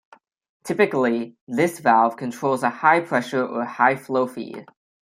Typically, this valve controls a high pressure or high flow feed.